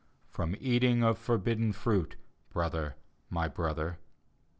" From eating of forbidden fruit, Biother, my brother."